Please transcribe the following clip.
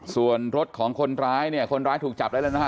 ส่วนรถของคนร้ายเนี่ยคนร้ายถูกจับได้แล้วนะฮะ